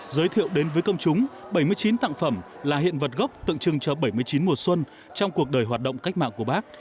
giới thiệu đến với công chúng bảy mươi chín tặng phẩm là hiện vật gốc tượng trưng cho bảy mươi chín mùa xuân trong cuộc đời hoạt động cách mạng của bác